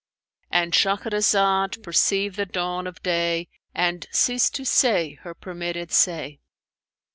"—And Shahrazad perceived the dawn of day and ceased to say her permitted say.